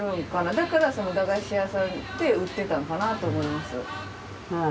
だから駄菓子屋さんで売ってたんかなと思います。